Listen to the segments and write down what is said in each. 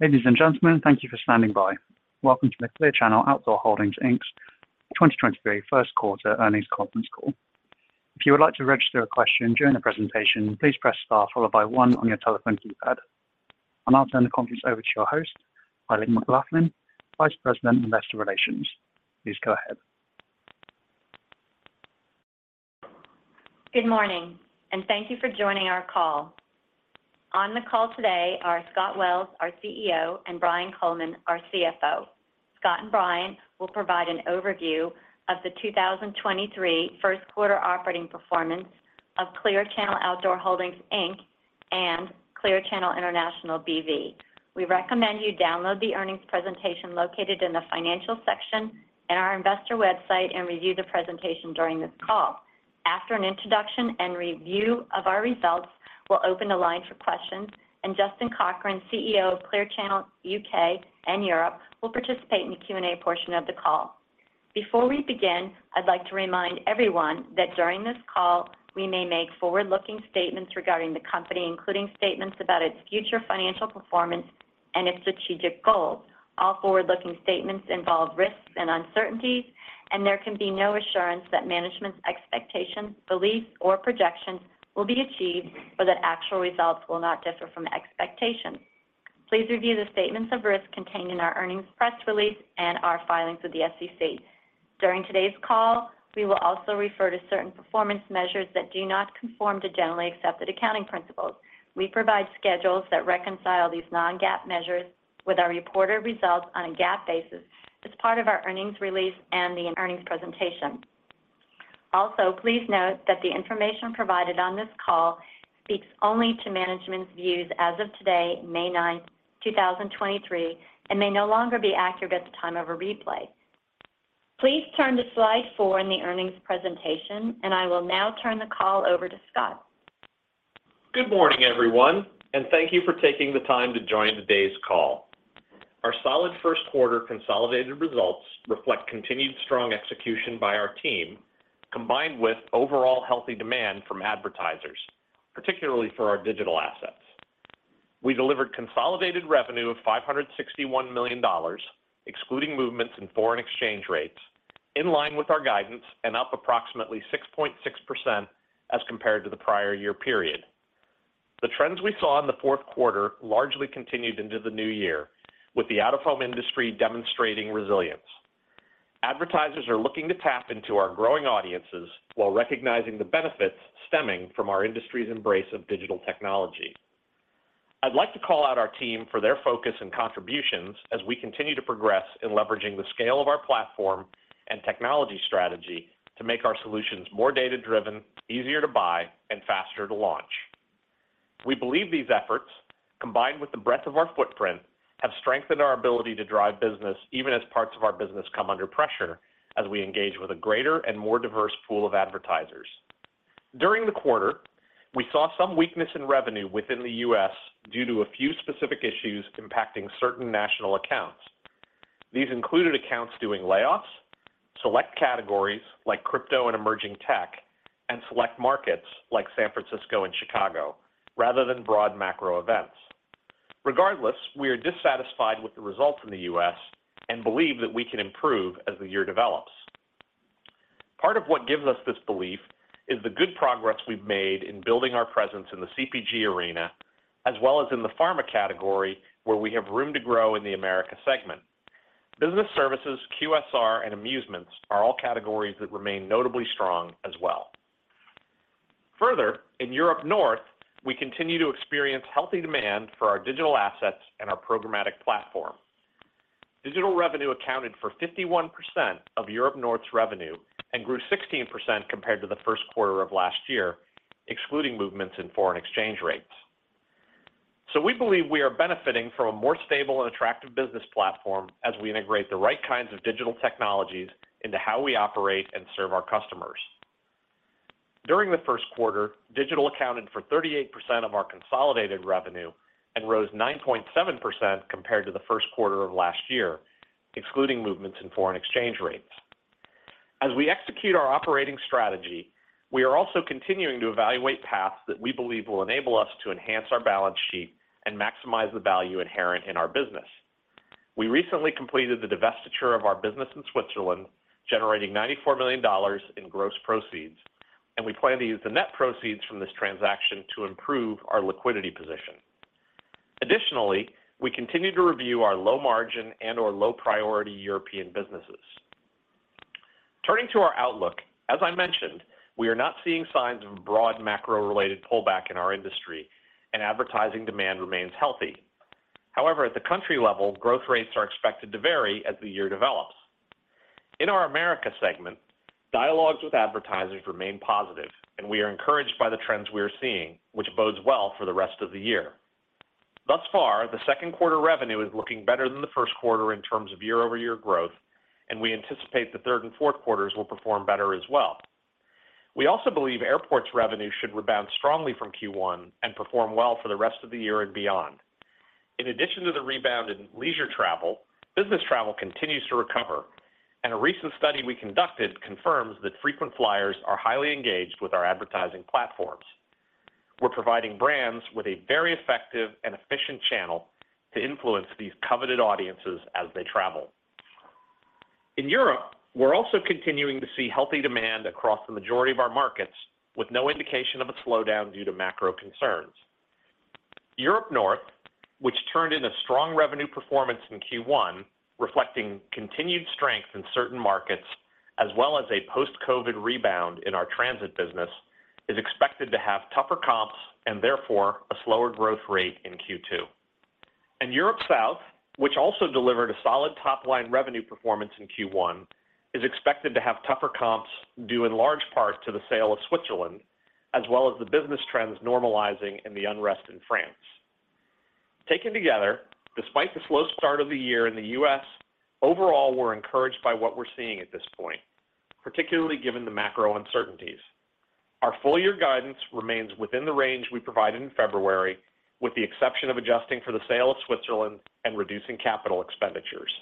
Ladies and gentlemen, thank you for standing by. Welcome to the Clear Channel Outdoor Holdings, Inc.'s 2023 first quarter earnings conference call. If you would like to register a question during the presentation, please press star followed by one on your telephone keypad. I'll turn the conference over to your host, Eileen McLaughlin, Vice President, Investor Relations. Please go ahead. Good morning. Thank you for joining our call. On the call today are Scott Wells, our CEO, and Brian Coleman, our CFO. Scott and Brian will provide an overview of the 2023 first quarter operating performance of Clear Channel Outdoor Holdings, Inc. and Clear Channel International B.V. We recommend you download the earnings presentation located in the financial section in our investor website and review the presentation during this call. After an introduction and review of our results, we'll open the line for questions, and Justin Cochrane, CEO of Clear Channel UK & Europe, will participate in the Q&A portion of the call. Before we begin, I'd like to remind everyone that during this call, we may make forward-looking statements regarding the company, including statements about its future financial performance and its strategic goals. All forward-looking statements involve risks and uncertainties, and there can be no assurance that management's expectations, beliefs, or projections will be achieved or that actual results will not differ from expectations. Please review the statements of risk contained in our earnings press release and our filings with the SEC. During today's call, we will also refer to certain performance measures that do not conform to generally accepted accounting principles. We provide schedules that reconcile these non-GAAP measures with our reported results on a GAAP basis as part of our earnings release and the earnings presentation. Please note that the information provided on this call speaks only to management's views as of today, May 9, 2023, and may no longer be accurate at the time of a replay. Please turn to slide four in the earnings presentation, and I will now turn the call over to Scott. Good morning, everyone, thank you for taking the time to join today's call. Our solid first quarter consolidated results reflect continued strong execution by our team, combined with overall healthy demand from advertisers, particularly for our digital assets. We delivered consolidated revenue of $561 million, excluding movements in foreign exchange rates, in line with our guidance and up approximately 6.6% as compared to the prior year period. The trends we saw in the fourth quarter largely continued into the new year, with the out-of-home industry demonstrating resilience. Advertisers are looking to tap into our growing audiences while recognizing the benefits stemming from our industry's embrace of digital technology. I'd like to call out our team for their focus and contributions as we continue to progress in leveraging the scale of our platform and technology strategy to make our solutions more data-driven, easier to buy and faster to launch. We believe these efforts, combined with the breadth of our footprint, have strengthened our ability to drive business even as parts of our business come under pressure as we engage with a greater and more diverse pool of advertisers. During the quarter, we saw some weakness in revenue within the U.S. due to a few specific issues impacting certain national accounts. These included accounts doing layoffs, select categories like crypto and emerging tech, and select markets like San Francisco and Chicago, rather than broad macro events. Regardless, we are dissatisfied with the results in the U.S. and believe that we can improve as the year develops. Part of what gives us this belief is the good progress we've made in building our presence in the CPG arena, as well as in the pharma category, where we have room to grow in the America segment. Business services, QSR, and amusements are all categories that remain notably strong as well. Further, in Europe North, we continue to experience healthy demand for our digital assets and our programmatic platform. Digital revenue accounted for 51% of Europe North's revenue and grew 16% compared to the first quarter of last year, excluding movements in foreign exchange rates. We believe we are benefiting from a more stable and attractive business platform as we integrate the right kinds of digital technologies into how we operate and serve our customers. During the first quarter, digital accounted for 38% of our consolidated revenue and rose 9.7% compared to the first quarter of last year, excluding movements in foreign exchange rates. As we execute our operating strategy, we are also continuing to evaluate paths that we believe will enable us to enhance our balance sheet and maximize the value inherent in our business. We recently completed the divestiture of our business in Switzerland, generating $94 million in gross proceeds, and we plan to use the net proceeds from this transaction to improve our liquidity position. Additionally, we continue to review our low margin and/or low priority European businesses. Turning to our outlook, as I mentioned, we are not seeing signs of a broad macro-related pullback in our industry and advertising demand remains healthy. However, at the country level, growth rates are expected to vary as the year develops. In our America segment, dialogues with advertisers remain positive, and we are encouraged by the trends we are seeing, which bodes well for the rest of the year. Thus far, the second quarter revenue is looking better than the first quarter in terms of year-over-year growth, and we anticipate the third and fourth quarters will perform better as well. We also believe airports revenue should rebound strongly from Q1 and perform well for the rest of the year and beyond. In addition to the rebound in leisure travel, business travel continues to recover, and a recent study we conducted confirms that frequent flyers are highly engaged with our advertising platforms. We're providing brands with a very effective and efficient channel to influence these coveted audiences as they travel. In Europe, we're also continuing to see healthy demand across the majority of our markets, with no indication of a slowdown due to macro concerns. Europe North, which turned in a strong revenue performance in Q1, reflecting continued strength in certain markets as well as a post-COVID rebound in our transit business, is expected to have tougher comps and therefore a slower growth rate in Q2. Europe South, which also delivered a solid top-line revenue performance in Q1, is expected to have tougher comps due in large part to the sale of Switzerland, as well as the business trends normalizing and the unrest in France. Taken together, despite the slow start of the year in the US, overall, we're encouraged by what we're seeing at this point, particularly given the macro uncertainties. Our full-year guidance remains within the range we provided in February, with the exception of adjusting for the sale of Switzerland and reducing capital expenditures.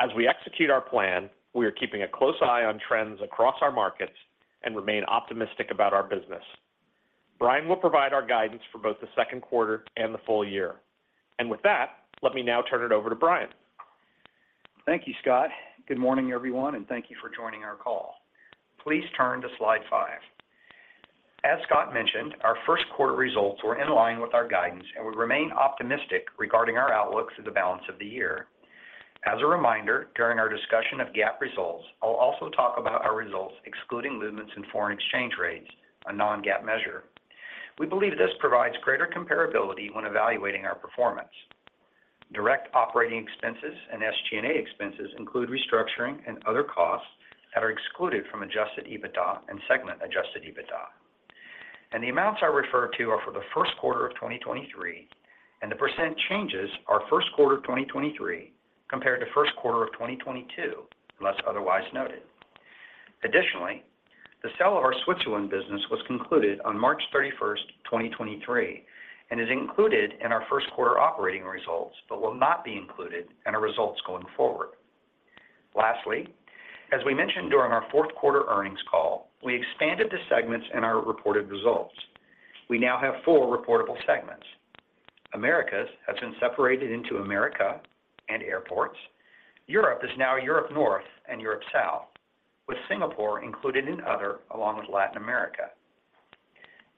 As we execute our plan, we are keeping a close eye on trends across our markets and remain optimistic about our business. Brian will provide our guidance for both the second quarter and the full year. With that, let me now turn it over to Brian. Thank you, Scott. Good morning, everyone, thank you for joining our call. Please turn to slide five. As Scott mentioned, our first quarter results were in line with our guidance, and we remain optimistic regarding our outlook for the balance of the year. As a reminder, during our discussion of GAAP results, I'll also talk about our results excluding movements in foreign exchange rates, a non-GAAP measure. We believe this provides greater comparability when evaluating our performance. Direct operating expenses and SG&A expenses include restructuring and other costs that are excluded from adjusted EBITDA and segment adjusted EBITDA. The amounts I refer to are for the first quarter of 2023, and the % changes are first quarter 2023 compared to first quarter of 2022, unless otherwise noted. The sale of our Switzerland business was concluded on March 31st, 2023, and is included in our first quarter operating results, but will not be included in our results going forward. As we mentioned during our fourth quarter earnings call, we expanded the segments in our reported results. We now have four reportable segments. America has been separated into America and airports. Europe is now Europe North and Europe South, with Singapore included in other along with Latin America.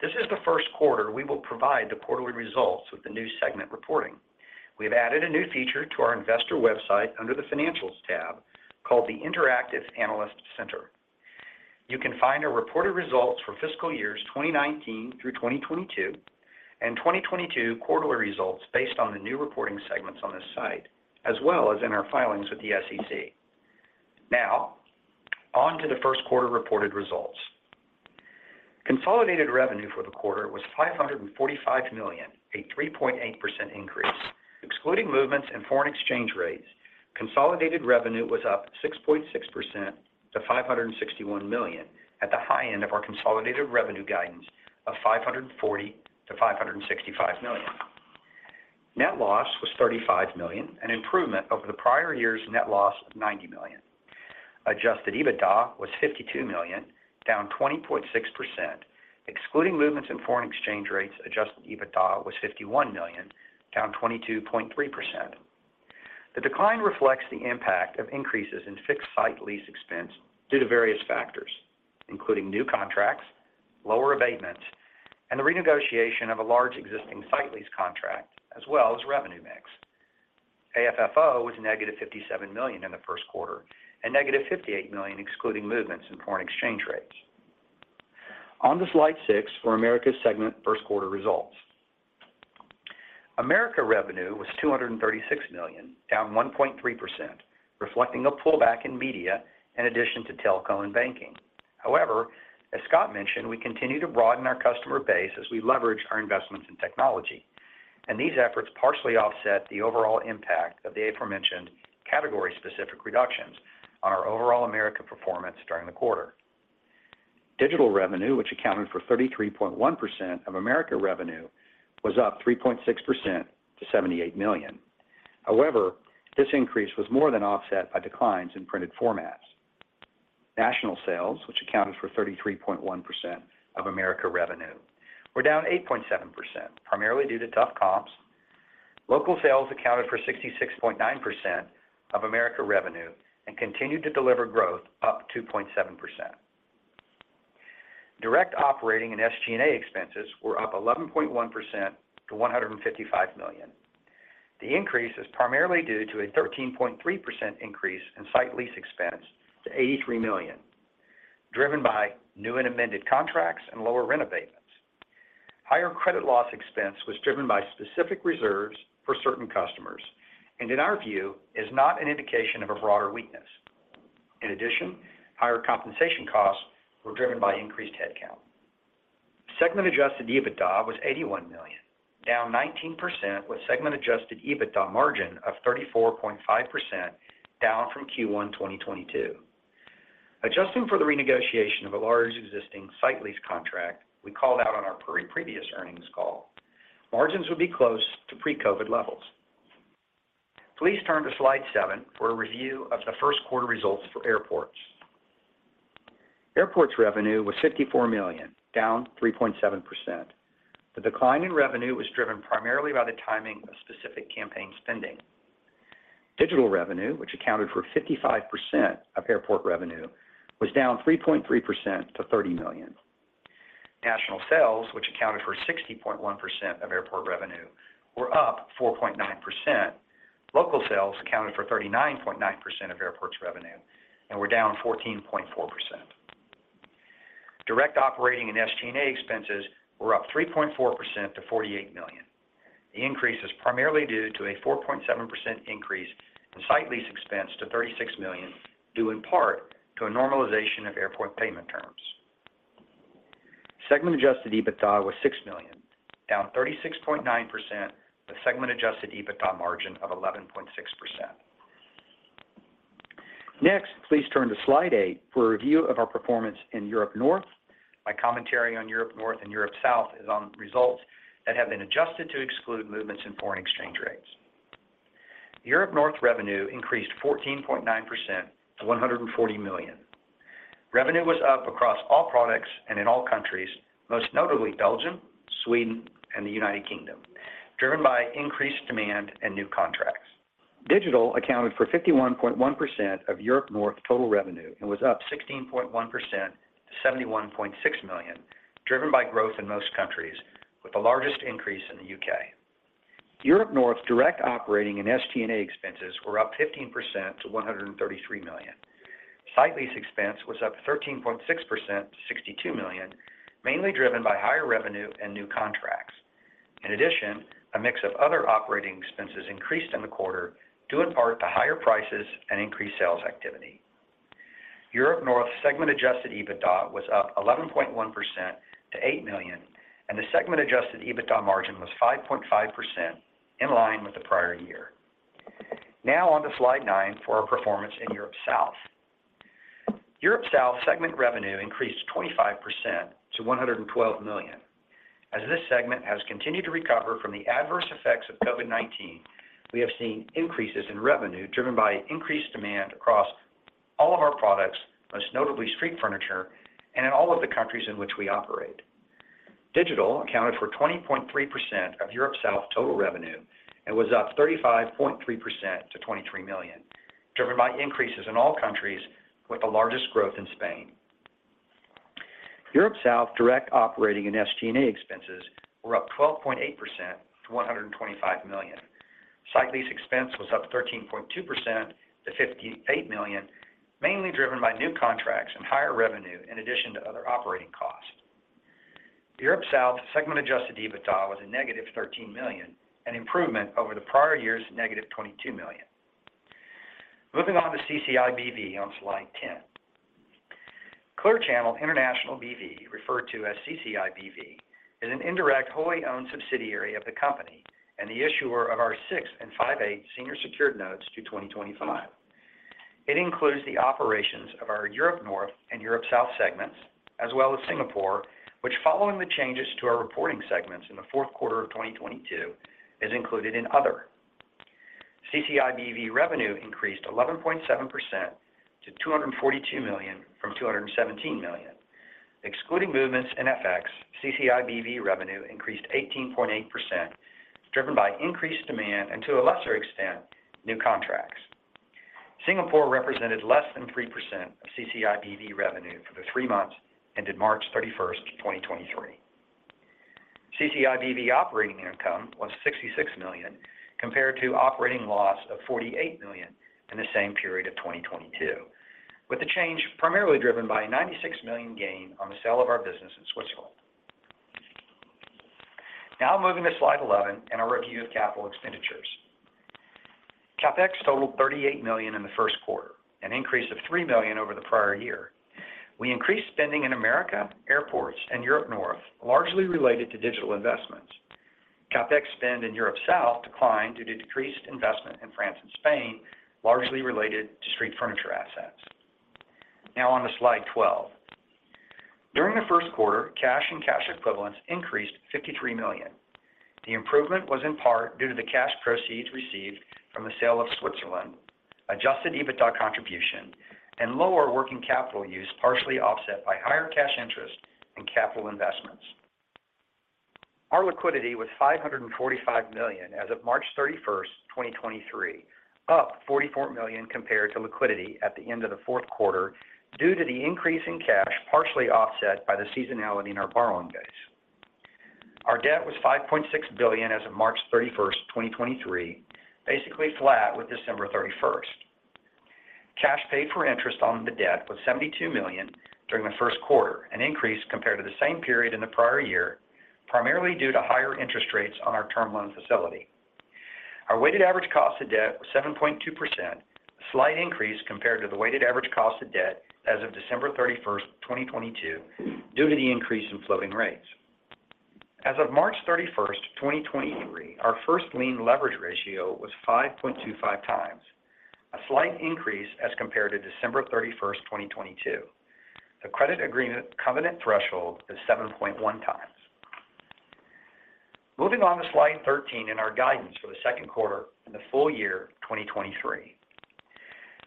This is the first quarter we will provide the quarterly results with the new segment reporting. We have added a new feature to our investor website under the Financials tab called the Interactive Analyst Center. You can find our reported results for fiscal years 2019 through 2022 and 2022 quarterly results based on the new reporting segments on this site, as well as in our filings with the SEC. On to the first quarter reported results. Consolidated revenue for the quarter was $545 million, a 3.8% increase. Excluding movements in foreign exchange rates, consolidated revenue was up 6.6% to $561 million at the high end of our consolidated revenue guidance of $540 million-$565 million. Net loss was $35 million, an improvement over the prior year's net loss of $90 million. Adjusted EBITDA was $52 million, down 20.6%. Excluding movements in foreign exchange rates, adjusted EBITDA was $51 million, down 22.3%. The decline reflects the impact of increases in fixed site lease expense due to various factors, including new contracts, lower abatements, and the renegotiation of a large existing site lease contract, as well as revenue mix. AFFO was negative $57 million in the first quarter and negative $58 million excluding movements in foreign exchange rates. On to slide six for America's segment first quarter results. America revenue was $236 million, down 1.3%, reflecting a pullback in media in addition to telco and banking. However, as Scott mentioned, we continue to broaden our customer base as we leverage our investments in technology, and these efforts partially offset the overall impact of the aforementioned category-specific reductions on our overall America performance during the quarter. Digital revenue, which accounted for 33.1% of America revenue, was up 3.6% to $78 million. This increase was more than offset by declines in printed formats. National sales, which accounted for 33.1% of America revenue, were down 8.7%, primarily due to tough comps. Local sales accounted for 66.9% of America revenue and continued to deliver growth up 2.7%. Direct operating and SG&A expenses were up 11.1% to $155 million. The increase is primarily due to a 13.3% increase in site lease expense to $83 million, driven by new and amended contracts and lower rent abatements. Higher credit loss expense was driven by specific reserves for certain customers, and in our view is not an indication of a broader weakness. Higher compensation costs were driven by increased headcount. Segment adjusted EBITDA was $81 million, down 19% with segment adjusted EBITDA margin of 34.5% down from Q1 2022. Adjusting for the renegotiation of a large existing site lease contract we called out on our pre-previous earnings call, margins would be close to pre-COVID levels. Please turn to slide seven for a review of the first quarter results for Airports. Airports revenue was $54 million, down 3.7%. The decline in revenue was driven primarily by the timing of specific campaign spending. Digital revenue, which accounted for 55% of Airports revenue, was down 3.3% to $30 million. National sales, which accounted for 60.1% of Airports revenue, were up 4.9%. Local sales accounted for 39.9% of Airports revenue and were down 14.4%. Direct operating and SG&A expenses were up 3.4% to $48 million. The increase is primarily due to a 4.7% increase in site lease expense to $36 million, due in part to a normalization of airport payment terms. Segment adjusted EBITDA was $6 million, down 36.9%, with segment adjusted EBITDA margin of 11.6%. Next, please turn to slide eight for a review of our performance in Europe North. My commentary on Europe North and Europe South is on results that have been adjusted to exclude movements in foreign exchange rates. Europe North revenue increased 14.9% to $140 million. Revenue was up across all products and in all countries, most notably Belgium, Sweden and the United Kingdom, driven by increased demand and new contracts. Digital accounted for 51.1% of Europe North total revenue and was up 16.1% to $71.6 million, driven by growth in most countries with the largest increase in the UK. Europe North direct operating and SG&A expenses were up 15% to $133 million. Site lease expense was up 13.6% to $62 million, mainly driven by higher revenue and new contracts. In addition, a mix of other operating expenses increased in the quarter due in part to higher prices and increased sales activity. Europe North segment adjusted EBITDA was up 11.1% to $8 million, and the segment adjusted EBITDA margin was 5.5% in line with the prior year. Now on to slide nine for our performance in Europe South. Europe South segment revenue increased 25% to $112 million. As this segment has continued to recover from the adverse effects of COVID-19, we have seen increases in revenue driven by increased demand across all of our products, most notably street furniture and in all of the countries in which we operate. Digital accounted for 20.3% of Europe South total revenue and was up 35.3% to $23 million, driven by increases in all countries with the largest growth in Spain. Europe South direct operating and SG&A expenses were up 12.8% to $125 million. Site lease expense was up 13.2% to $58 million, mainly driven by new contracts and higher revenue in addition to other operating costs. Europe South segment adjusted EBITDA was a negative $13 million, an improvement over the prior year's negative $22 million. Moving on to CCIBV on slide 10. Clear Channel International B.V., referred to as CCIBV, is an indirect wholly owned subsidiary of the company and the issuer of our 6.625% Senior Secured Notes due 2025 to 2025. It includes the operations of our Europe North and Europe South segments as well as Singapore, which following the changes to our reporting segments in the fourth quarter of 2022, is included in other. CCIBV revenue increased 11.7% to $242 million from $217 million. Excluding movements in FX, CCIBV revenue increased 18.8%, driven by increased demand and to a lesser extent, new contracts. Singapore represented less than 3% of CCIBV revenue for the three months ended March 31, 2023. CCIBV operating income was $66 million compared to operating loss of $48 million in the same period of 2022, with the change primarily driven by a $96 million gain on the sale of our business in Switzerland. Moving to slide 11 and a review of capital expenditures. CapEx totaled $38 million in the first quarter, an increase of $3 million over the prior year. We increased spending in America, Airports and Europe North, largely related to digital investments. CapEx spend in Europe South declined due to decreased investment in France and Spain, largely related to street furniture assets. On to slide 12. During the first quarter, cash and cash equivalents increased $53 million. The improvement was in part due to the cash proceeds received from the sale of Switzerland, adjusted EBITDA contribution and lower working capital use, partially offset by higher cash interest and capital investments. Our liquidity was $545 million as of March 31st, 2023, up $44 million compared to liquidity at the end of the fourth quarter due to the increase in cash, partially offset by the seasonality in our borrowing base. Our debt was $5.6 billion as of March 31st, 2023, basically flat with December 31st. Cash paid for interest on the debt was $72 million during the first quarter, an increase compared to the same period in the prior year, primarily due to higher interest rates on our term loan facility. Our weighted average cost of debt was 7.2%, a slight increase compared to the weighted average cost of debt as of December 31st, 2022, due to the increase in floating rates. As of March 31st, 2023, our first lien leverage ratio was 5.25x. A slight increase as compared to December 31st, 2022. The credit agreement covenant threshold is 7.1x. Moving on to slide 13 in our guidance for the second quarter and the full year 2023.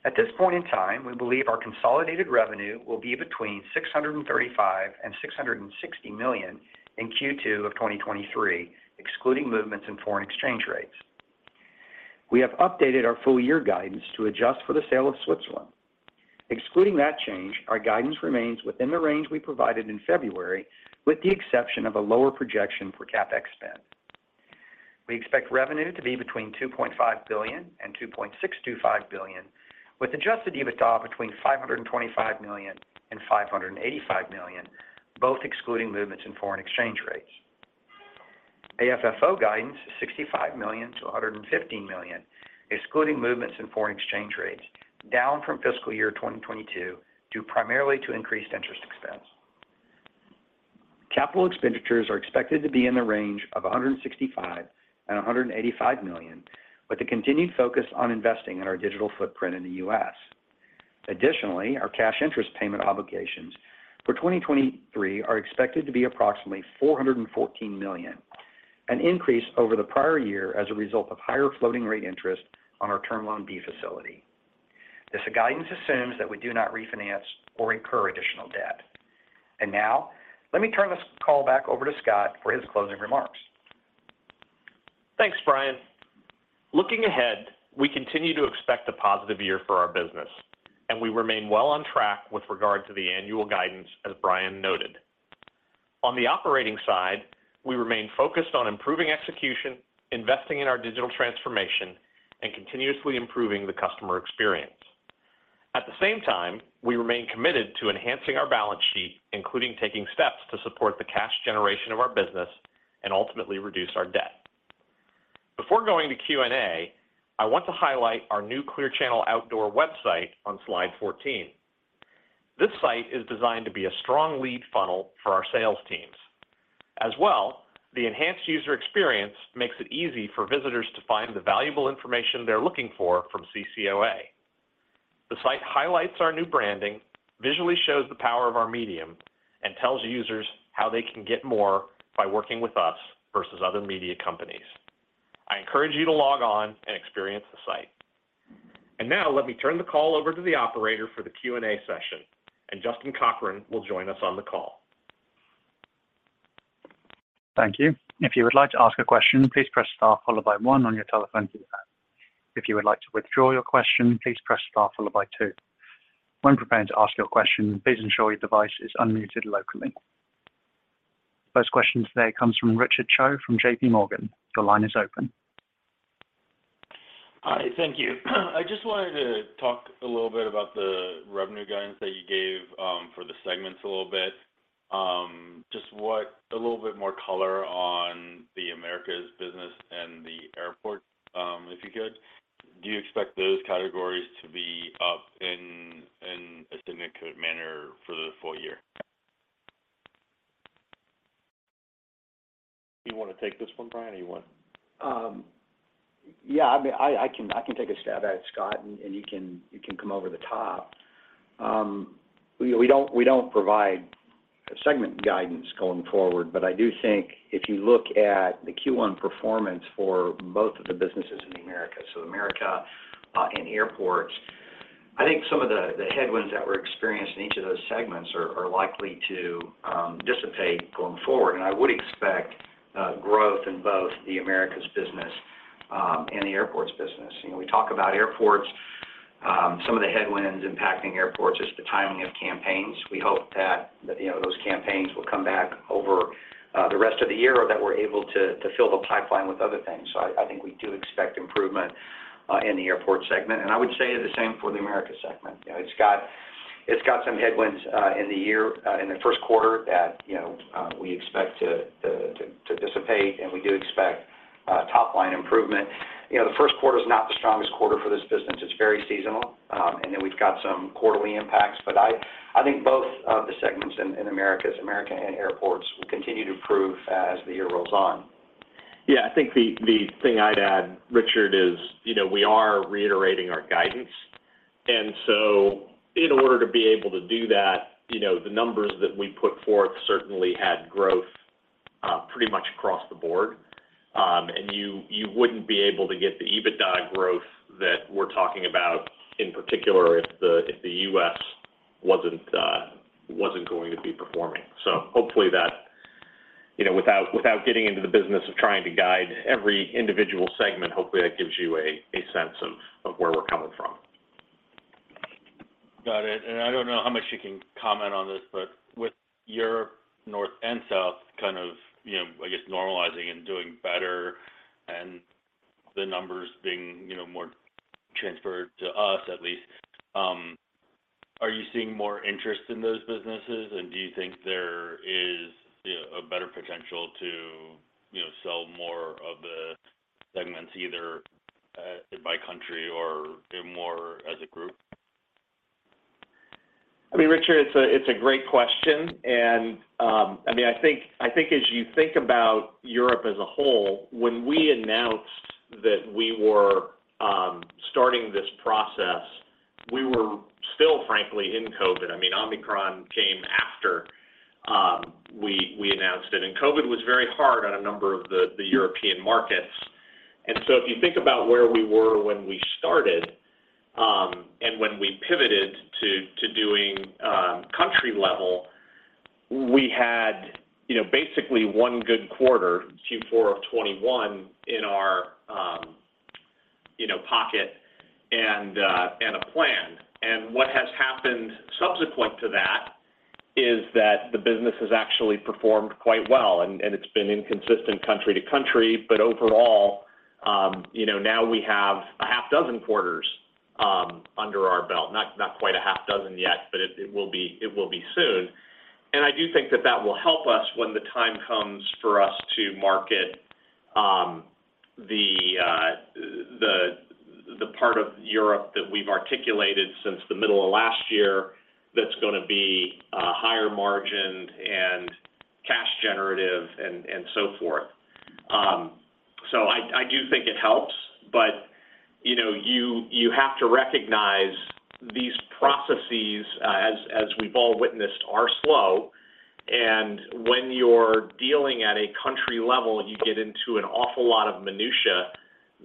At this point in time, we believe our consolidated revenue will be between $635 million and $660 million in Q2 of 2023, excluding movements in foreign exchange rates. We have updated our full year guidance to adjust for the sale of Switzerland. Excluding that change, our guidance remains within the range we provided in February, with the exception of a lower projection for CapEx spend. We expect revenue to be between $2.5 billion and $2.625 billion, with adjusted EBITDA between $525 million and $585 million, both excluding movements in foreign exchange rates. AFFO guidance is $65 million to $115 million, excluding movements in foreign exchange rates, down from fiscal year 2022, due primarily to increased interest expense. Capital expenditures are expected to be in the range of $165 million and $185 million, with the continued focus on investing in our digital footprint in the US. Additionally, our cash interest payment obligations for 2023 are expected to be approximately $414 million, an increase over the prior year as a result of higher floating rate interest on our Term Loan B facility. This guidance assumes that we do not refinance or incur additional debt. Now, let me turn this call back over to Scott for his closing remarks. Thanks, Brian. Looking ahead, we continue to expect a positive year for our business, and we remain well on track with regard to the annual guidance, as Brian noted. On the operating side, we remain focused on improving execution, investing in our digital transformation, and continuously improving the customer experience. At the same time, we remain committed to enhancing our balance sheet, including taking steps to support the cash generation of our business and ultimately reduce our debt. Before going to Q&A, I want to highlight our new Clear Channel Outdoor website on slide 14. This site is designed to be a strong lead funnel for our sales teams. As well, the enhanced user experience makes it easy for visitors to find the valuable information they're looking for from CCOA. The site highlights our new branding, visually shows the power of our medium, and tells users how they can get more by working with us versus other media companies. I encourage you to log on and experience the site. Now, let me turn the call over to the operator for the Q&A session, and Justin Cochrane will join us on the call. Thank you. If you would like to ask a question, please press star followed by one on your telephone keypad. If you would like to withdraw your question, please press star followed by two. When preparing to ask your question, please ensure your device is unmuted locally. First question today comes from Richard Choe from J.P. Morgan. Your line is open. Hi, thank you. I just wanted to talk a little bit about the revenue guidance that you gave, for the segments a little bit. Just what a little bit more color on the America business and the Airports, if you could. Do you expect those categories to be up in a significant manner for the full year? You wanna take this one, Brian, or you want- Yeah, I mean, I can take a stab at it, Scott, and you can come over the top. We don't provide segment guidance going forward, but I do think if you look at the Q1 performance for both of the businesses in the America, so America, and airports, I think some of the headwinds that were experienced in each of those segments are likely to dissipate going forward. I would expect growth in both the America business and the airports business. You know, we talk about airports, some of the headwinds impacting airports, just the timing of campaigns. We hope that, you know, those campaigns will come back over the rest of the year or that we're able to fill the pipeline with other things. I think we do expect improvement in the airport segment, and I would say the same for the America segment. You know, it's got some headwinds in the year in the first quarter that, you know, we expect to dissipate, and we do expect top line improvement. You know, the first quarter's not the strongest quarter for this business. It's very seasonal. Then we've got some quarterly impacts, but I think both of the segments in America and Airports will continue to improve as the year rolls on. Yeah, I think the thing I'd add, Richard, is, you know, we are reiterating our guidance. In order to be able to do that, you know, the numbers that we put forth certainly had growth pretty much across the board. You wouldn't be able to get the EBITDA growth that we're talking about in particular if the U.S. wasn't going to be performing. Hopefully that, you know, without getting into the business of trying to guide every individual segment, hopefully, that gives you a sense of where we're coming from. Got it. I don't know how much you can comment on this, but with Europe North and South, kind of, you know, I guess, normalizing and doing better and the numbers being, you know, more transferred to us at least, are you seeing more interest in those businesses, and do you think there is, you know, a better potential to, you know, sell more of the segments either by country or in more as a group? I mean, Richard Choe, it's a great question. I think as you think about Europe as a whole, when we announced that we were starting this process, we were still frankly in COVID. I mean, Omicron came after we announced it. COVID was very hard on a number of the European markets. If you think about where we were when we started and when we pivoted to doing country level, we had, you know, basically one good quarter, Q4 of 2021, in our, you know, pocket and a plan. What has happened subsequent to that is that the business has actually performed quite well and it's been inconsistent country to country. Overall, you know, now we have a half dozen quarters under our belt, not quite a half dozen yet, but it will be soon. I do think that will help us when the time comes for us to market the part of Europe that we've articulated since the middle of last year that's going to be higher margined and cash generative and so forth. I do think it helps, but you know, you have to recognize these processes, as we've all witnessed, are slow. When you're dealing at a country level, you get into an awful lot of minutiae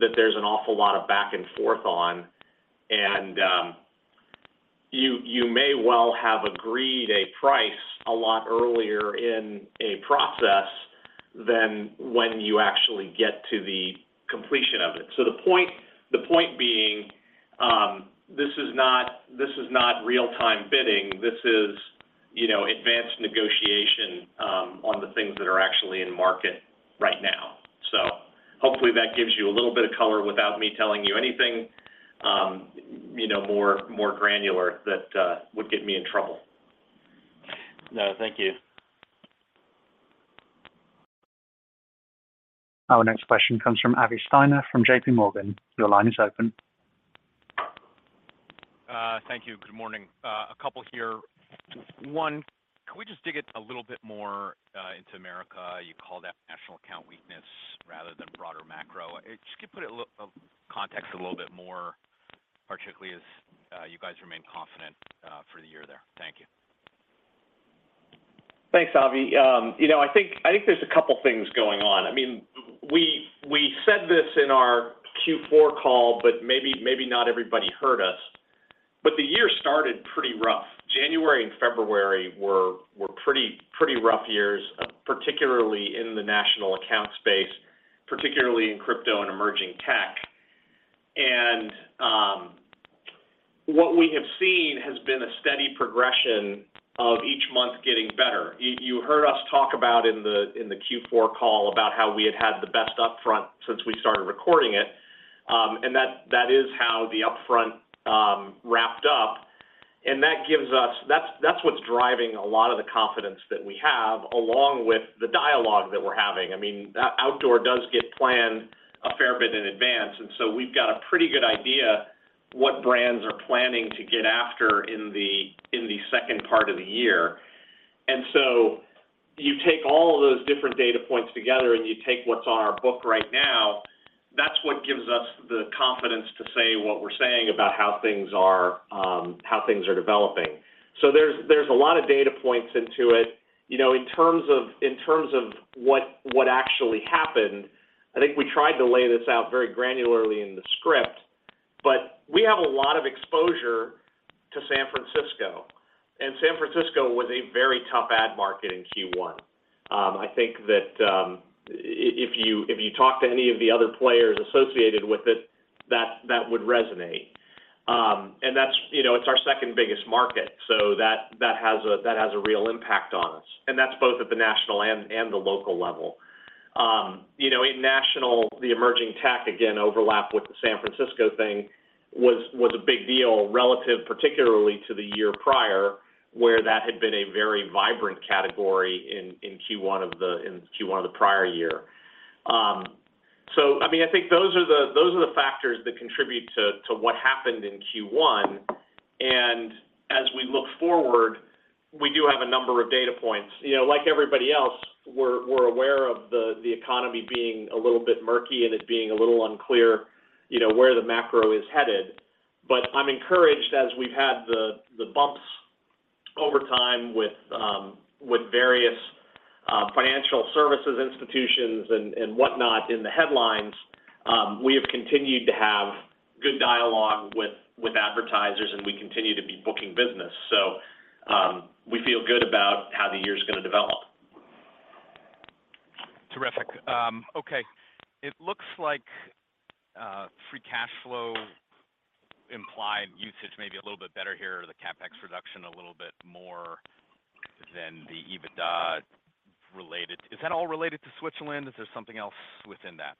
that there's an awful lot of back and forth on. You may well have agreed a price a lot earlier in a process than when you actually get to the completion of it. The point being, this is not real-time bidding. This is, you know, advanced negotiation on the things that are actually in market right now. Hopefully that gives you a little bit of color without me telling you anything, you know, more granular that would get me in trouble. No, thank you. Our next question comes from Avi Steiner from J.P. Morgan. Your line is open. Thank you. Good morning. A couple here. One, can we just dig a little bit more into America? You called out national account weakness rather than broader macro. Just could you put a little context a little bit more, particularly as you guys remain confident for the year there. Thank you. Thanks, Avi. You know, I think there's a couple things going on. I mean, we said this in our Q4 call, but maybe not everybody heard us. The year started pretty rough. January and February were pretty rough years, particularly in the national account space, particularly in crypto and emerging tech. What we have seen has been a steady progression of each month getting better. You heard us talk about in the Q4 call about how we had the best upfront since we started recording it. That is how the upfront wrapped up. That's what's driving a lot of the confidence that we have, along with the dialogue that we're having. I mean, outdoor does get planned a fair bit in advance, we've got a pretty good idea what brands are planning to get after in the second part of the year. You take all of those different data points together, and you take what's on our book right now, that's what gives us the confidence to say what we're saying about how things are developing. There's a lot of data points into it. You know, in terms of what actually happened, I think we tried to lay this out very granularly in the script, but we have a lot of exposure to San Francisco, and San Francisco was a very tough ad market in Q1. I think that, if you talk to any of the other players associated with it, that would resonate. That's, you know, it's our second biggest market, so that has a real impact on us. That's both at the national and the local level. You know, in national, the emerging tech, again, overlap with the San Francisco thing was a big deal relative particularly to the year prior, where that had been a very vibrant category in Q1 of the prior year. I mean, I think those are the factors that contribute to what happened in Q1. As we look forward, we do have a number of data points. You know, like everybody else, we're aware of the economy being a little bit murky and it being a little unclear, you know, where the macro is headed. I'm encouraged as we've had the bumps over time with various financial services institutions and whatnot in the headlines, we have continued to have good dialogue with advertisers, and we continue to be booking business. We feel good about how the year's gonna develop. Terrific. Okay. It looks like free cash flow implied usage may be a little bit better here, the CapEx reduction a little bit more than the EBITDA related. Is that all related to Switzerland? Is there something else within that?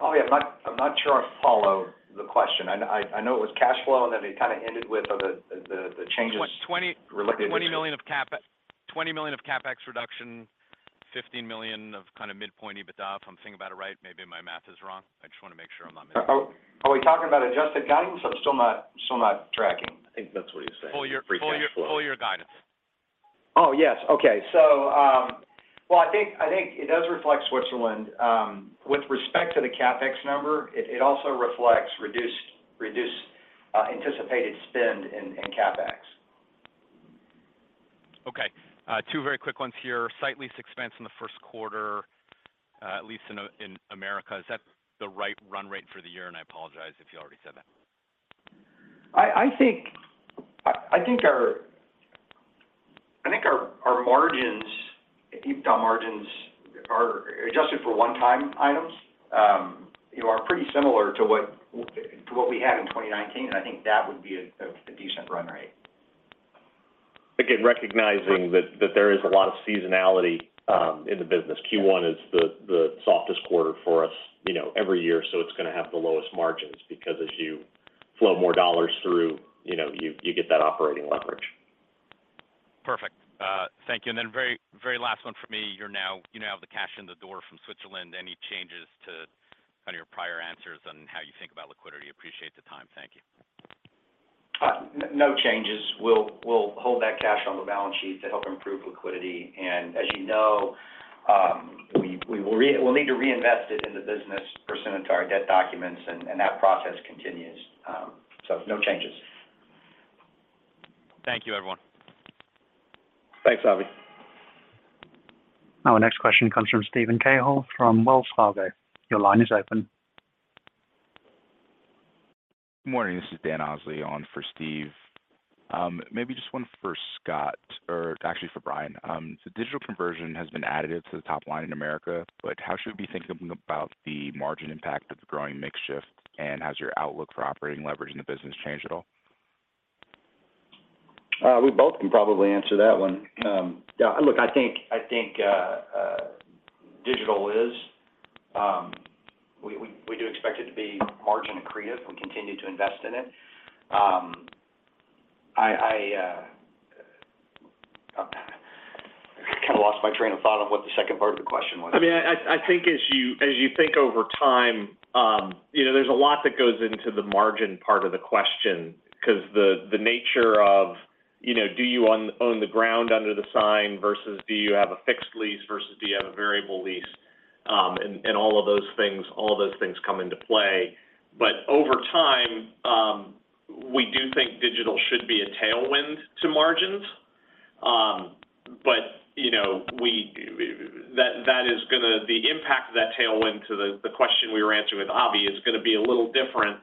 Avi, I'm not sure I follow the question. I know it was cash flow, and then it kind of ended with the changes related to- $20 million of CapEx, $20 million of CapEx reduction. $15 million of kind of mid-point EBITDA, if I'm thinking about it right, maybe my math is wrong. I just wanna make sure I'm not missing. Are we talking about adjusted guidance? I'm still not tracking. I think that's what he's saying. Full year guidance. Oh, yes. Well, I think it does reflect Switzerland. With respect to the CapEx number, it also reflects reduced anticipated spend in CapEx. Okay. Two very quick ones here. Site lease expense in the first quarter, at least in America, is that the right run rate for the year? I apologize if you already said that. I think our margins, EBITDA margins are adjusted for one-time items, you know, are pretty similar to what we had in 2019, and I think that would be a decent run rate. Again, recognizing that there is a lot of seasonality in the business. Q1 is the softest quarter for us, you know, every year, so it's gonna have the lowest margins because as you flow more dollars through, you know, you get that operating leverage. Perfect. Thank you. Very, very last one for me. You now have the cash in the door from Switzerland. Any changes to kind of your prior answers on how you think about liquidity? Appreciate the time. Thank you. No changes. We'll hold that cash on the balance sheet to help improve liquidity. As you know, we will need to reinvest it in the business pursuant to our debt documents and that process continues. No changes. Thank you, everyone. Thanks, Avi. Our next question comes from Steven Cahall from Wells Fargo. Your line is open. Good morning, this is Daniel Osley on for Steve. Maybe just one for Scott or actually for Brian. The digital conversion has been additive to the top line in America, but how should we be thinking about the margin impact of the growing mix shift, and has your outlook for operating leverage in the business changed at all? We both can probably answer that one. Yeah, look, I think digital is, we do expect it to be margin accretive. We continue to invest in it. I kinda lost my train of thought on what the second part of the question was. I mean, I think as you think over time, you know, there's a lot that goes into the margin part of the question because the nature of, you know, do you own the ground under the sign versus do you have a fixed lease versus do you have a variable lease, and all of those things come into play. Over time, we do think digital should be a tailwind to margins. You know, the impact of that tailwind to the question we were answering with Avi is gonna be a little different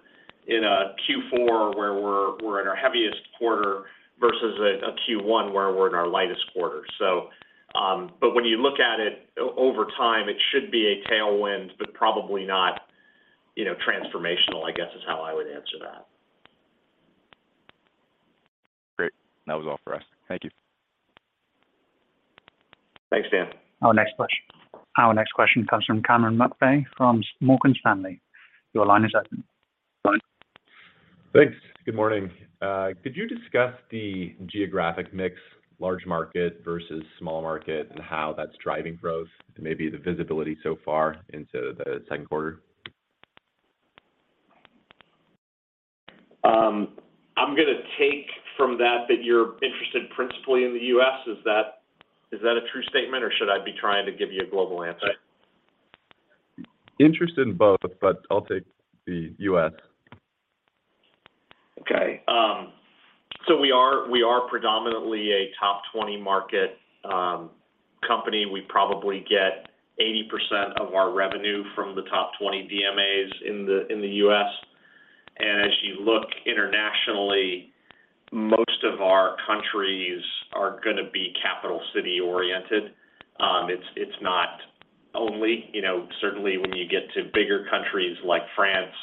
in a Q4 where we're in our heaviest quarter versus a Q1 where we're in our lightest quarter. When you look at it over time, it should be a tailwind, but probably not, you know, transformational, I guess is how I would answer that. Great. That was all for us. Thank you. Thanks, Dan. Our next question comes from Cameron McVeigh from Morgan Stanley. Your line is open. Go ahead. Thanks. Good morning. Could you discuss the geographic mix, large market versus small market, and how that's driving growth and maybe the visibility so far into the second quarter? I'm gonna take from that you're interested principally in the U.S. Is that a true statement or should I be trying to give you a global answer? Interested in both, but I'll take the US. So we are predominantly a top 20 market company. We probably get 80% of our revenue from the top 20 DMAs in the US. As you look internationally, most of our countries are gonna be capital city oriented. It's not only. You know, certainly when you get to bigger countries like France,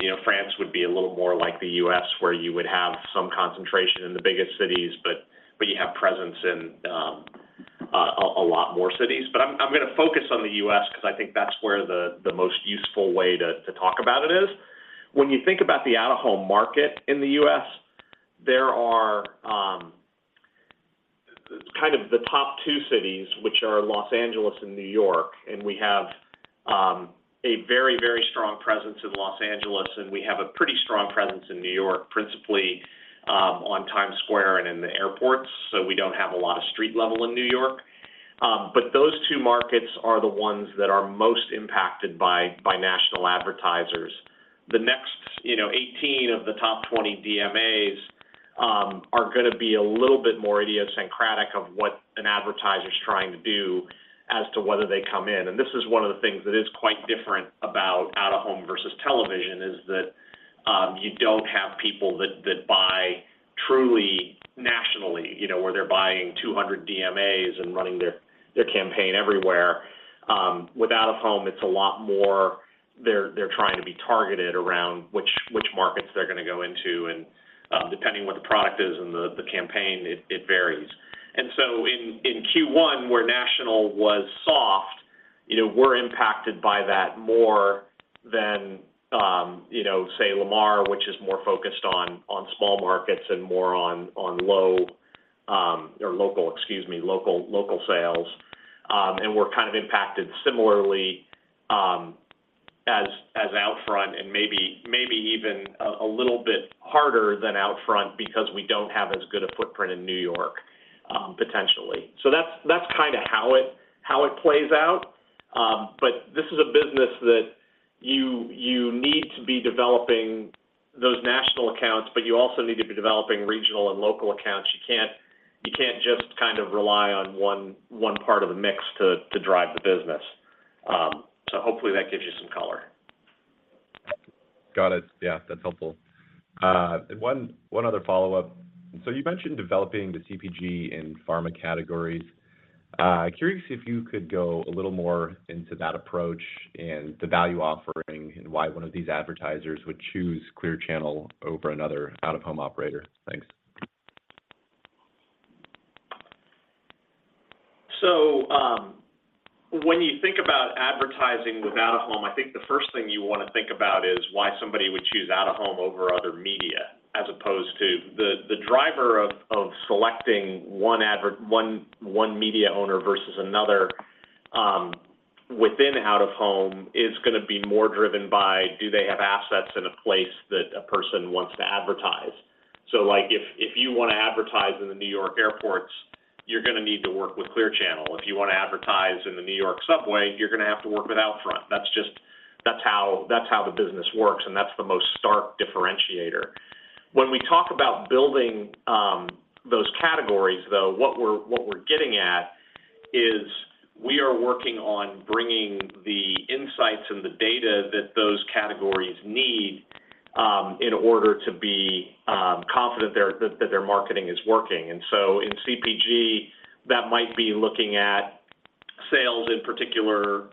you know, France would be a little more like the US where you would have some concentration in the biggest cities, but you have presence in a lot more cities. I'm gonna focus on the US because I think that's where the most useful way to talk about it is. When you think about the out-of-home market in the US, there are kind of the top two cities, which are Los Angeles and New York. We have a very strong presence in Los Angeles, we have a pretty strong presence in New York, principally on Times Square and in the airports. We don't have a lot of street level in New York. Those two markets are the ones that are most impacted by national advertisers. The next, you know, 18 of the top 20 DMAs are gonna be a little bit more idiosyncratic of what an advertiser's trying to do as to whether they come in. This is one of the things that is quite different about out-of-home versus television is that you don't have people that buy truly nationally, you know, where they're buying 200 DMAs and running their campaign everywhere. With out-of-home, it's a lot more they're trying to be targeted around which markets they're gonna go into. Depending what the product is and the campaign, it varies. In Q1, where national was You know, we're impacted by that more than, you know, say, Lamar, which is more focused on small markets and more on low, or local, excuse me, local sales. We're kind of impacted similarly, as OUTFRONT and maybe even a little bit harder than OUTFRONT because we don't have as good a footprint in New York, potentially. That's kinda how it plays out. This is a business that you need to be developing those national accounts, but you also need to be developing regional and local accounts. You can't just kind of rely on one part of the mix to drive the business. Hopefully that gives you some color. Got it. Yeah, that's helpful. One other follow-up. You mentioned developing the CPG and pharma categories. Curious if you could go a little more into that approach and the value offering and why one of these advertisers would choose Clear Channel over another out-of-home operator. Thanks. When you think about advertising with out-of-home, I think the first thing you wanna think about is why somebody would choose out-of-home over other media as opposed to the driver of selecting one media owner versus another, within out-of-home is gonna be more driven by do they have assets in a place that a person wants to advertise. Like if you wanna advertise in the New York airports, you're gonna need to work with Clear Channel. If you wanna advertise in the New York subway, you're gonna have to work with OUTFRONT. That's how the business works, and that's the most stark differentiator. When we talk about building those categories, though, what we're getting at is we are working on bringing the insights and the data that those categories need in order to be confident their, that their marketing is working. In CPG, that might be looking at sales in particular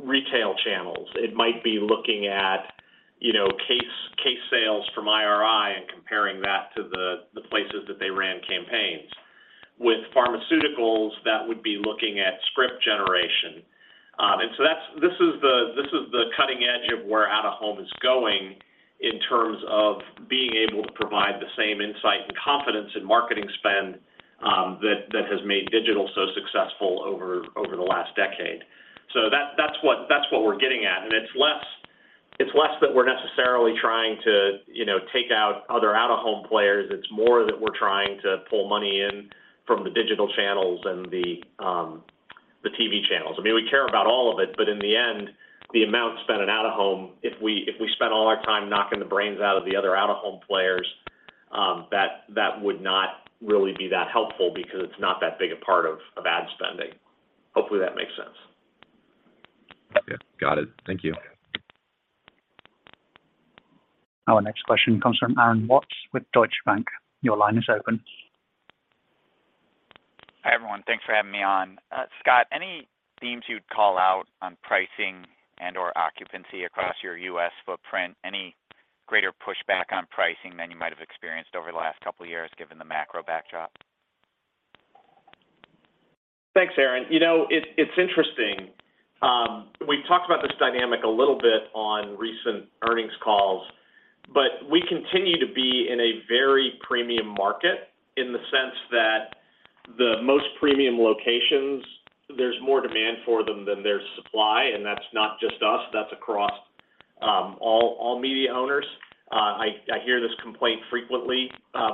retail channels. It might be looking at, you know, case sales from IRI and comparing that to the places that they ran campaigns. With pharmaceuticals, that would be looking at script generation. This is the cutting edge of where out-of-home is going in terms of being able to provide the same insight and confidence in marketing spend that has made digital so successful over the last decade. That's what we're getting at, and it's less, it's less that we're necessarily trying to, you know, take out other out-of-home players. It's more that we're trying to pull money in from the digital channels and the TV channels. I mean, we care about all of it, but in the end, the amount spent in out-of-home, if we spent all our time knocking the brains out of the other out-of-home players, that would not really be that helpful because it's not that big a part of ad spending. Hopefully that makes sense. Yeah, got it. Thank you. Our next question comes from Aaron Watts with Deutsche Bank. Your line is open. Hi, everyone. Thanks for having me on. Scott, any themes you'd call out on pricing and/or occupancy across your U.S. footprint? Any greater pushback on pricing than you might have experienced over the last two years given the macro backdrop? Thanks, Aaron. You know, it's interesting. We've talked about this dynamic a little bit on recent earnings calls, but we continue to be in a very premium market in the sense that the most premium locations, there's more demand for them than there's supply, and that's not just us, that's across all media owners. I hear this complaint frequently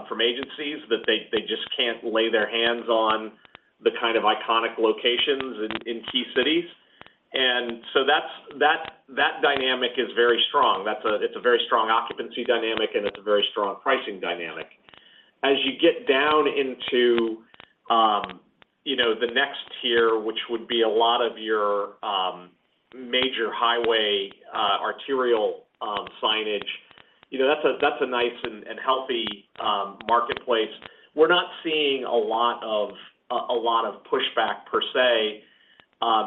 from agencies that they just can't lay their hands on the kind of iconic locations in key cities. That dynamic is very strong. It's a very strong occupancy dynamic, and it's a very strong pricing dynamic. As you get down into, you know, the next tier, which would be a lot of your major highway, arterial signage, you know, that's a nice and healthy marketplace. We're not seeing a lot of pushback per se.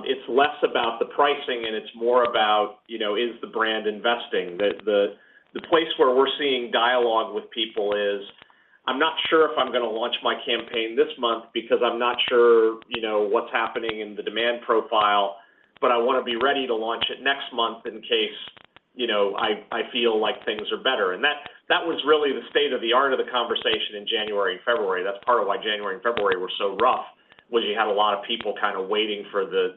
It's less about the pricing and it's more about, you know, is the brand investing. The place where we're seeing dialogue with people is, "I'm not sure if I'm gonna launch my campaign this month because I'm not sure, you know, what's happening in the demand profile, but I wanna be ready to launch it next month in case, you know, I feel like things are better." That was really the state of the art of the conversation in January and February. That's part of why January and February were so rough, was you had a lot of people kind of waiting for the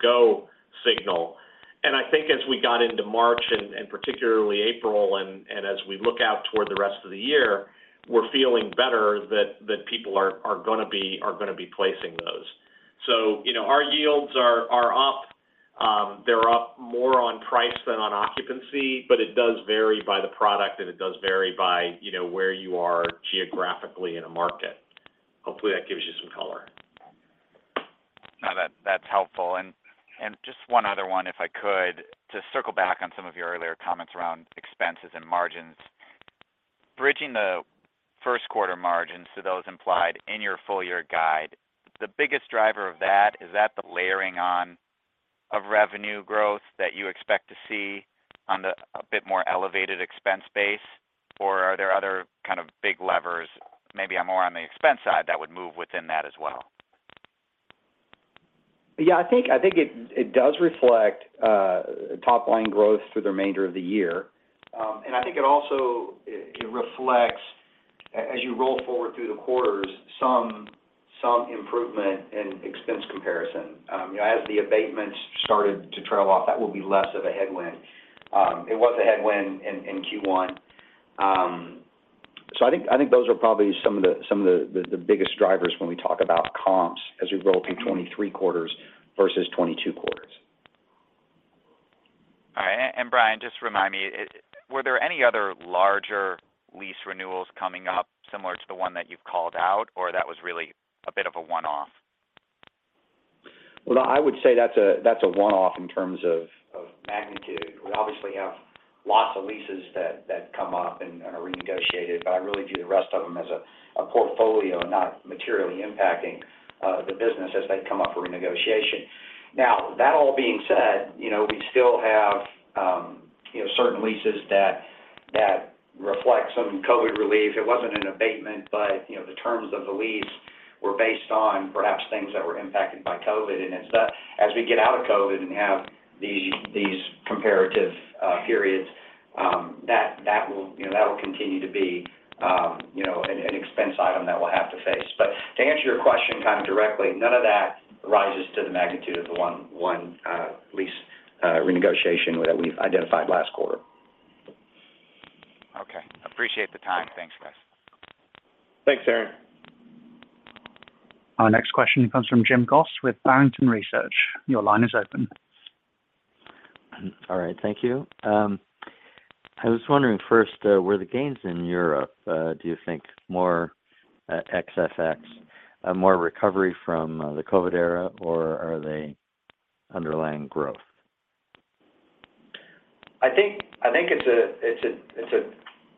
go signal. I think as we got into March and particularly April and as we look out toward the rest of the year, we're feeling better that people are gonna be placing those. You know, our yields are up. They're up more on price than on occupancy, but it does vary by the product, and it does vary by, you know, where you are geographically in a market. Hopefully that gives you some color. No, that's helpful. Just one other one, if I could, to circle back on some of your earlier comments around expenses and margins. Bridging the first quarter margins to those implied in your full year guide, the biggest driver of that, is that the layering on of revenue growth that you expect to see on a bit more elevated expense base, or are there other kind of big levers maybe more on the expense side that would move within that as well? Yeah. I think it does reflect top line growth through the remainder of the year. I think it also reflects as you roll forward through the quarters, some improvement in expense comparison. You know, as the abatements started to trail off, that will be less of a headwind. It was a headwind in Q1. I think those are probably some of the biggest drivers when we talk about comps as we roll through 23 quarters versus 22 quarters. All right. Brian, just remind me, were there any other larger lease renewals coming up similar to the one that you've called out or that was really a bit of a one-off? I would say that's a, that's a one-off in terms of magnitude. We obviously have lots of leases that come up and are renegotiated, but I really view the rest of them as a portfolio not materially impacting the business as they come up for renegotiation. That all being said, you know, we still have, you know, certain leases that reflect some COVID relief. It wasn't an abatement, but, you know, the terms of the lease were based on perhaps things that were impacted by COVID. As we get out of COVID and have these comparative periods, that will, you know, that will continue to be, you know, an expense item that we'll have to face. To answer your question kind of directly, none of that rises to the magnitude of the 1 lease renegotiation that we've identified last quarter. Okay. Appreciate the time. Thanks, guys. Thanks, Aaron. Our next question comes from Jim Goss with Barrington Research. Your line is open. All right, thank you. I was wondering first, were the gains in Europe, do you think more ex-FX, more recovery from the COVID era, or are they underlying growth? I think it's a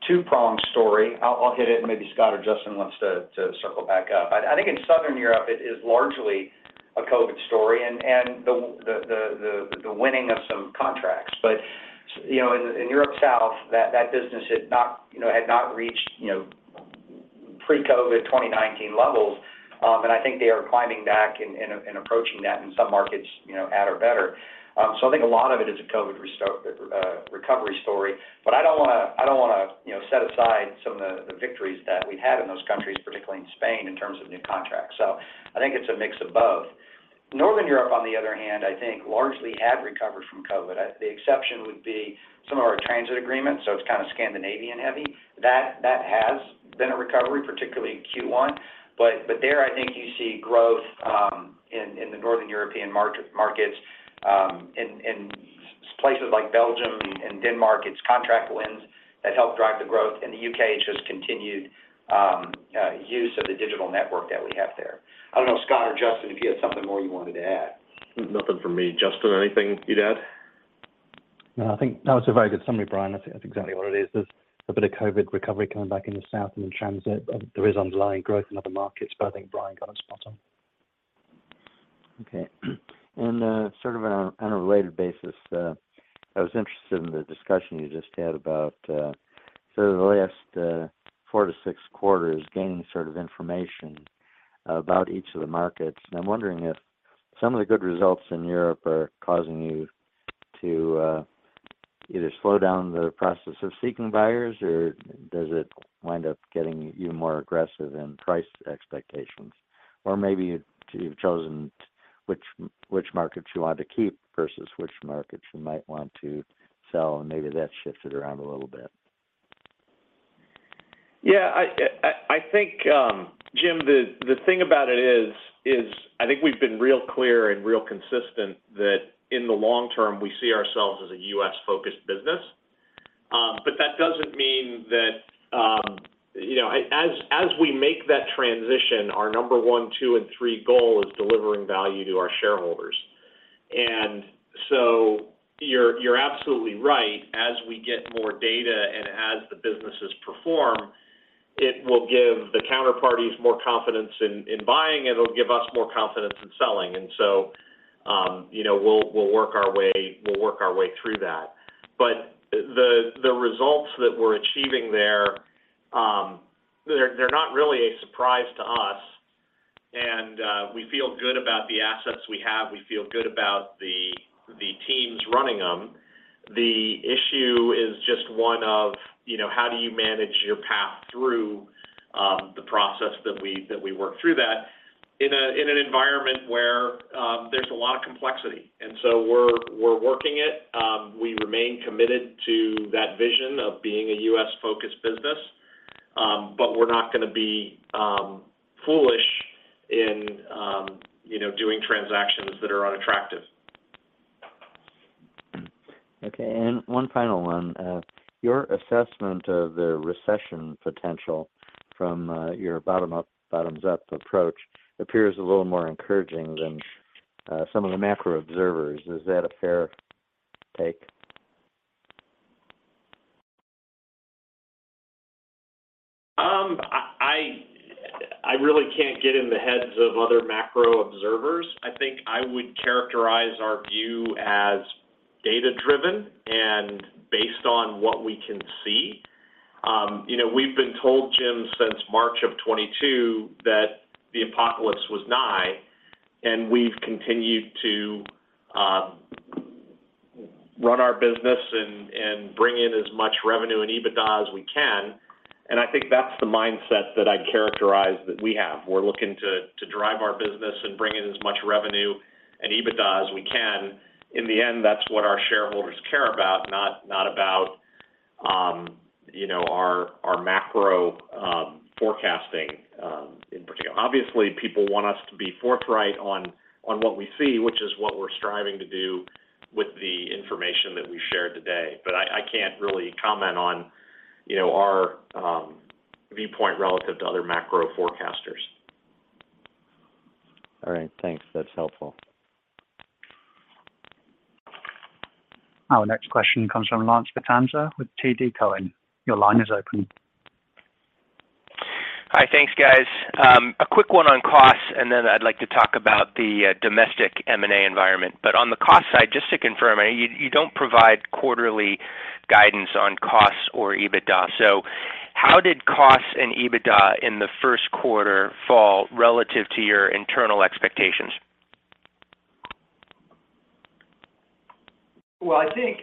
two-pronged story. I'll hit it and maybe Scott or Justin wants to circle back up. I think in Southern Europe it is largely a COVID story and the winning of some contracts. You know, in Europe South, that business had not, you know, had not reached, you know, pre-COVID 2019 levels. I think they are climbing back and approaching that in some markets, you know, at or better. I think a lot of it is a COVID recovery story, but I don't wanna, you know, set aside some of the victories that we've had in those countries, particularly in Spain, in terms of new contracts. I think it's a mix of both. Northern Europe, on the other hand, I think largely have recovered from COVID. The exception would be some of our transit agreements, so it's kind of Scandinavian heavy. That has been a recovery, particularly in Q1. There, I think you see growth in the Northern European markets, in places like Belgium and Denmark, it's contract wins that help drive the growth. In the UK, it's just continued use of the digital network that we have there. I don't know, Scott or Justin, if you had something more you wanted to add? Nothing from me. Justin, anything you'd add? I think that was a very good summary, Brian. That's exactly what it is. There's a bit of COVID recovery coming back in Europe South and in transit. There is underlying growth in other markets. I think Brian got it spot on. Okay. sort of on a related basis, I was interested in the discussion you just had about, sort of the last, 4 to 6 quarters gaining sort of information about each of the markets. I'm wondering if some of the good results in Europe are causing you to either slow down the process of seeking buyers, or does it wind up getting you more aggressive in price expectations? Maybe you've chosen which markets you want to keep versus which markets you might want to sell, and maybe that's shifted around a little bit. Yeah. I think, Jim, the thing about it is I think we've been real clear and real consistent that in the long term, we see ourselves as a U.S.-focused business. But that doesn't mean that, you know, as we make that transition, our number one, two, and three goal is delivering value to our shareholders. You're absolutely right. As we get more data and as the businesses perform, it will give the counterparties more confidence in buying, and it'll give us more confidence in selling. You know, we'll work our way through that. The results that we're achieving there, they're not really a surprise to us. We feel good about the assets we have. We feel good about the teams running them. The issue is just one of, you know, how do you manage your path through the process that we work through that in an environment where there's a lot of complexity. We're working it. We remain committed to that vision of being a U.S.-focused business. We're not gonna be foolish in, you know, doing transactions that are unattractive. Okay. One final one. Your assessment of the recession potential from your bottoms up approach appears a little more encouraging than some of the macro observers. Is that a fair take? I really can't get in the heads of other macro observers. I think I would characterize our view as data-driven and based on what we can see. You know, we've been told, James, since March of 2022 that the apocalypse wasn't high, and we've continued to run our business and bring in as much revenue and EBITDA as we can. I think that's the mindset that I characterize that we have. We're looking to drive our business and bring in as much revenue and EBITDA as we can. In the end, that's what our shareholders care about, not about, you know, our macro forecasting in particular. Obviously, people want us to be forthright on what we see, which is what we're striving to do with the information that we shared today. I can't really comment on, you know, our viewpoint relative to other macro forecasters. All right, thanks. That's helpful. Our next question comes from Lance Vitanza with TD Cowen. Your line is open. Hi. Thanks, guys. A quick one on costs, and then I'd like to talk about the domestic M&A environment. On the cost side, just to confirm, I mean, you don't provide quarterly guidance on costs or EBITDA. How did costs and EBITDA in the first quarter fall relative to your internal expectations? Well, I think,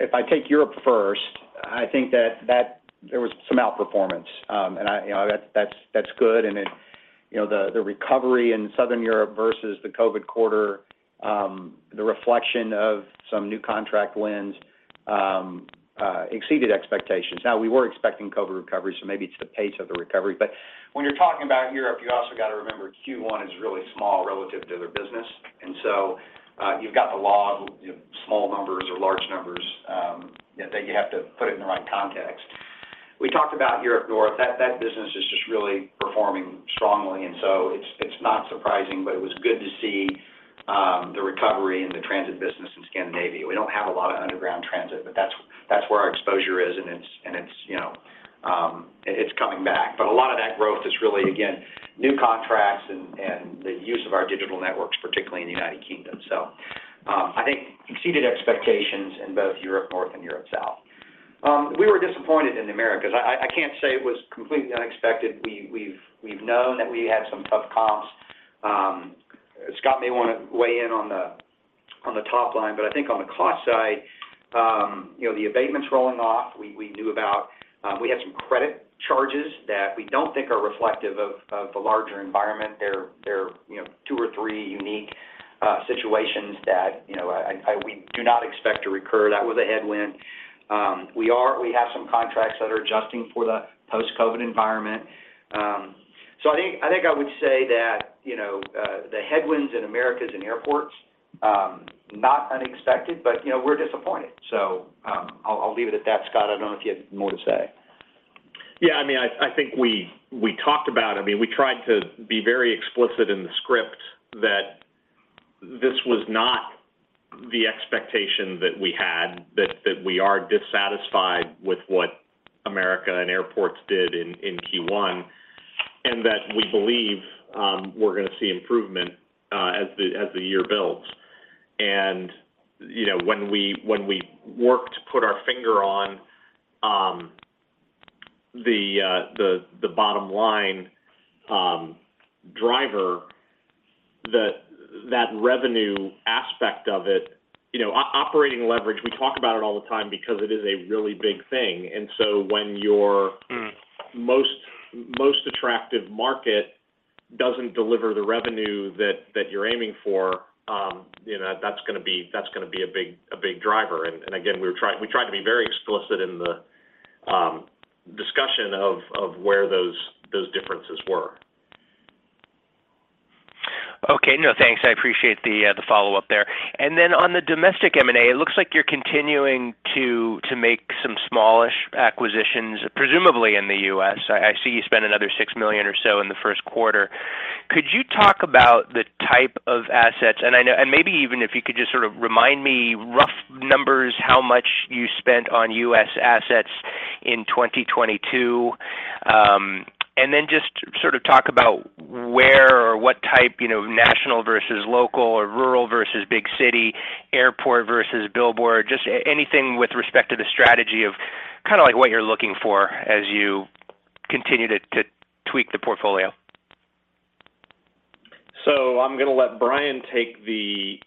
if I take Europe first, I think that there was some outperformance. You know, that's good. You know, the recovery in Southern Europe versus the COVID quarter, the reflection of some new contract wins, exceeded expectations. We were expecting COVID recovery, so maybe it's the pace of the recovery. When you're talking about Europe, you also got to remember Q1 is really small relative to their business. You've got the law of small numbers or large numbers that you have to put it in the right context. We talked about Europe North. That business is just really performing strongly, it's not surprising, but it was good to see the recovery in the transit business in Scandinavia. We don't have a lot of underground transit, but that's where our exposure is, and it's, you know, it's coming back. A lot of that growth is really, again, new contracts and the use of our digital networks, particularly in the United Kingdom. I think exceeded expectations in both Europe North and Europe South. We were disappointed in the America. I, I can't say it was completely unexpected. We've known that we had some tough comps. Scott may wanna weigh in on the top line, but I think on the cost side, you know, the abatements rolling off, we knew about. We had some credit charges that we don't think are reflective of the larger environment. They're, you know, two or three unique situations that, you know, we do not expect to recur. That was a headwind. We have some contracts that are adjusting for the post-COVID environment. I think I would say that, you know, the headwinds in America and airports not unexpected, but, you know, we're disappointed. I'll leave it at that. Scott, I don't know if you have more to say. I mean, I think we talked about. I mean, we tried to be very explicit in the script that this was not the expectation that we had, that we are dissatisfied with what America and airports did in Q1, and that we believe we're gonna see improvement as the year builds. You know, when we worked to put our finger on, the bottom line, driver, that revenue aspect of it, you know, operating leverage, we talk about it all the time because it is a really big thing. Mm. most attractive market doesn't deliver the revenue that you're aiming for, you know, that's gonna be a big driver. Again, we tried to be very explicit in the discussion of where those differences were. Okay. No, thanks. I appreciate the follow-up there. Then on the domestic M&A, it looks like you're continuing to make some smallish acquisitions, presumably in the US. I see you spent another $6 million or so in the first quarter. Could you talk about the type of assets? Maybe even if you could just sort of remind me rough numbers, how much you spent on US assets in 2022. Then just sort of talk about where or what type, you know, national versus local or rural versus big city, airport versus billboard, just anything with respect to the strategy of kinda like what you're looking for as you continue to tweak the portfolio. I'm gonna let Brian take the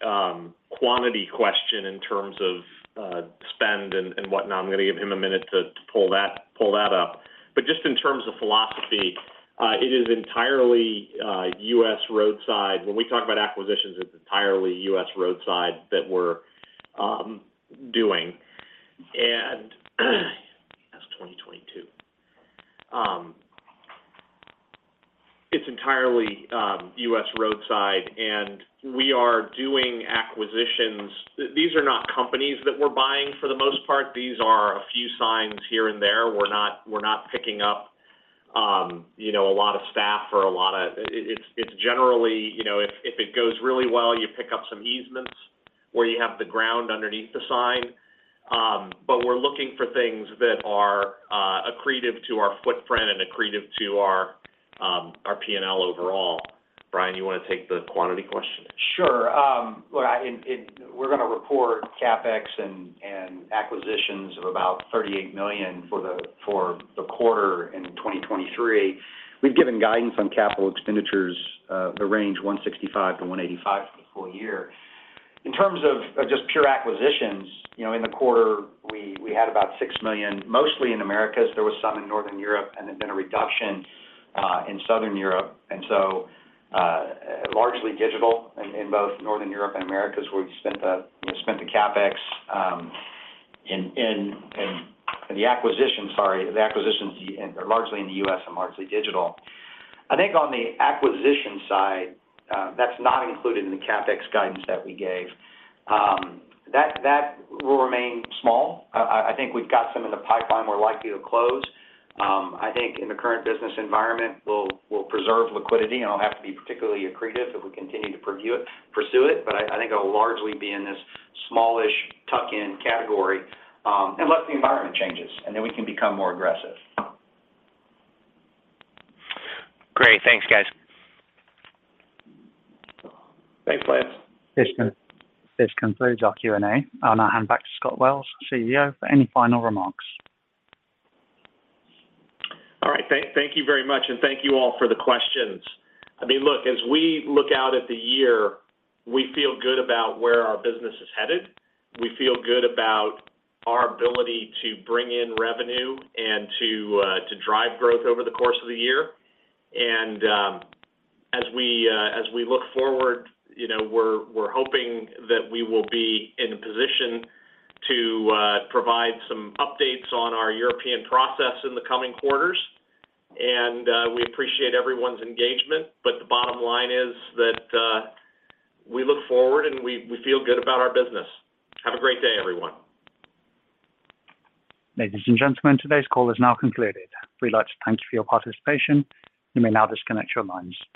quantity question in terms of spend and whatnot. I'm gonna give him a minute to pull that up. Just in terms of philosophy, it is entirely US roadside. When we talk about acquisitions, it's entirely US roadside that we're doing. That's 2022. It's entirely US roadside, and we are doing acquisitions. These are not companies that we're buying for the most part. These are a few signs here and there. We're not picking up, you know, a lot of staff. It's generally, you know, if it goes really well, you pick up some easements where you have the ground underneath the sign. We're looking for things that are accretive to our footprint and accretive to our P&L overall. Brian, you wanna take the quantity question? Sure. Well, we're gonna report CapEx and acquisitions of about $38 million for the quarter in 2023. We've given guidance on capital expenditures, the range $165 million-$185 million for the full year. In terms of just pure acquisitions, you know, in the quarter we had about $6 million, mostly in America. There was some in Northern Europe and there's been a reduction in Southern Europe. Largely digital in both Northern Europe and America, we've spent the CapEx in the acquisitions, sorry. The acquisitions and they're largely in the U.S. and largely digital. I think on the acquisition side, that's not included in the CapEx guidance that we gave. That will remain small. I think we've got some in the pipeline we're likely to close. I think in the current business environment, we'll preserve liquidity, and I'll have to be particularly accretive if we continue to pursue it. I think it'll largely be in this smallish tuck-in category, unless the environment changes, and then we can become more aggressive. Great. Thanks, guys. Thanks, Lance. This concludes our Q&A. I'll now hand back to Scott Wells, CEO, for any final remarks. All right. Thank you very much, and thank you all for the questions. I mean, look, as we look out at the year, we feel good about where our business is headed. We feel good about our ability to bring in revenue and to drive growth over the course of the year. As we look forward, you know, we're hoping that we will be in a position to provide some updates on our European process in the coming quarters. We appreciate everyone's engagement, the bottom line is that we look forward and we feel good about our business. Have a great day, everyone. Ladies and gentlemen, today's call is now concluded. We'd like to thank you for your participation. You may now disconnect your lines.